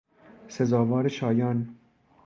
سزاوار شایان